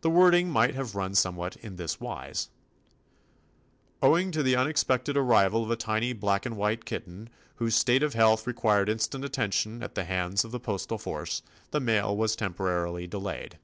The wording might have run somewhat in this wise: "Owing to the unexpected arrival of a tiny black and white kitten, whose state of health required instant attention at the hands of the postal force, the mail was temporarily delayed."